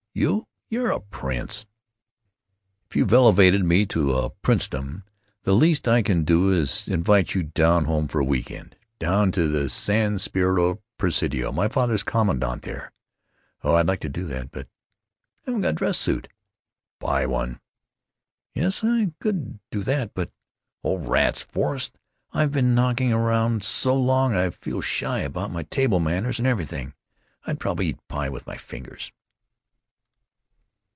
"You? You're a prince." "If you've elevated me to a princedom, the least I can do is to invite you down home for a week end—down to the San Spirito Presidio. My father's commandant there." "Oh, I'd like to, but——I haven't got a dress suit." "Buy one." "Yes, I could do that, but——Oh, rats! Forrest, I've been knocking around so long I feel shy about my table manners and everything. I'd probably eat pie with my fingers."